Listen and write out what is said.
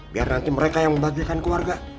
biar nanti mereka yang membahagiakan keluarga